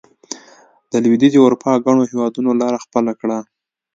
د لوېدیځې اروپا ګڼو هېوادونو لار خپله کړه.